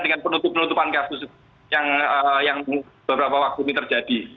dengan penutupan penutupan kasus yang beberapa waktu ini terjadi